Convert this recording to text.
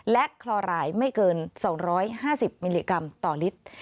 และคลอรายไม่เกิน๒๕๐มิลลิกรัมต่อลิตร